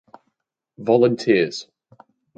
Volunteers.